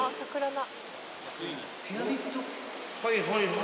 はいはいはいはい。